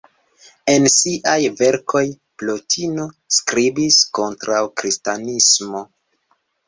En siaj verkoj, Plotino skribis kontraŭ kristanismo.